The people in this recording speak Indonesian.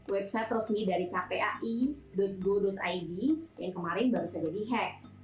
website resmi dari kpai go id yang kemarin baru saja di hack